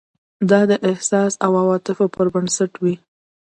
دا د احساس او عواطفو پر بنسټ وي.